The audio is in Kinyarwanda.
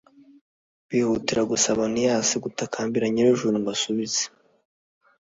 bihutira gusaba oniyasi gutakambira nyir'ijuru, ngo asubize